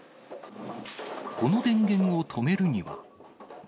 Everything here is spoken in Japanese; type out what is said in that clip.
この電源を止めるには。